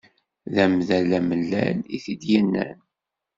D amdan amellal i t-id-yennan.